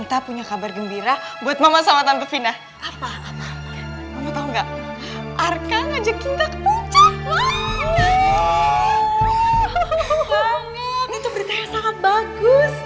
terima kasih sayang